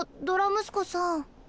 ドラムスコさん。